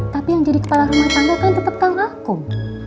tapi yang jadi kepala rumah tangga kan tetap kang akom